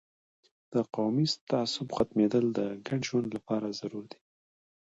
د قومي تعصب ختمیدل د ګډ ژوند لپاره ضروري ده.